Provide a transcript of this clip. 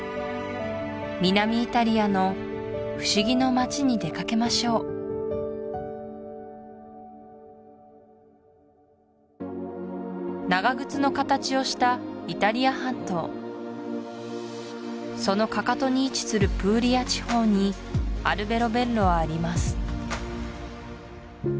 南イタリアの不思議の町に出かけましょう長靴の形をしたイタリア半島そのかかとに位置するプーリア地方にアルベロベッロはあります